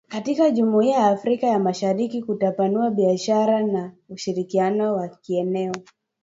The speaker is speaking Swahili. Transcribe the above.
katika jumuia ya Afrika ya mashariki kutapanua biashara na ushirikiano wa kieneo